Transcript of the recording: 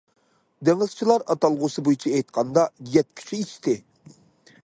دېڭىزچىلار ئاتالغۇسى بويىچە ئېيتقاندا« يەتكۈچە ئىچتى».